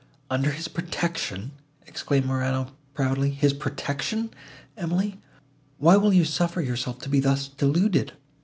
"Under his protection!" exclaimed Morano, proudly, "his protection! Emily, why will you suffer yourself to be thus deluded?